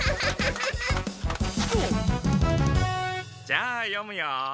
じゃあ読むよ。